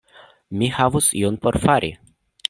Mi havus ion por fari.